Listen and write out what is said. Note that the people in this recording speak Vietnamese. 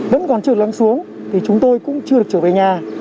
vẫn còn chưa lắng xuống thì chúng tôi cũng chưa được trở về nhà